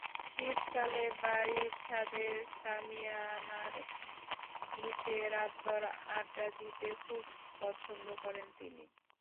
শীতকালে বাড়ির ছাদের শামিয়ানার নিচে রাতভর আড্ডা দিতে খুব পছন্দ করেন তিনি।